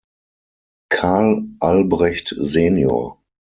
Karl Albrecht sen.